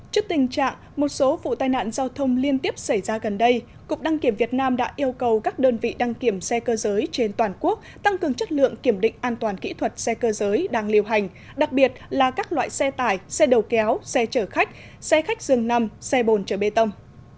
trước tình trạng một số vụ tai nạn giao thông liên tiếp xảy ra gần đây cục đăng kiểm việt nam đã yêu cầu các đơn vị đăng kiểm xe cơ giới trên toàn quốc tăng cường chất lượng kiểm định an toàn kỹ thuật xe cơ giới đang liều hành đặc biệt là các loại xe tải xe đầu kéo xe chở khách xe khách dường nằm xe bồn chở bê tông